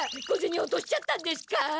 小ゼニ落としちゃったんですか？